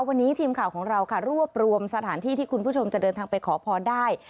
วันนี้ทีมข่าวของเราค่ะรวบรวมสถานที่ที่คุณผู้ชมจะเดินทางไปขอพรได้